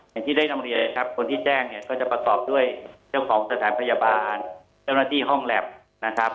อย่างที่ได้นำเรียนเลยครับคนที่แจ้งเนี่ยก็จะประกอบด้วยเจ้าของสถานพยาบาลเจ้าหน้าที่ห้องแล็บนะครับ